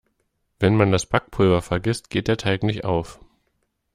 Wenn man das Backpulver vergisst, geht der Teig nicht auf.